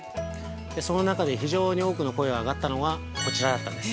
その中で、非常に多くの声が上がったのがこちらだったんです。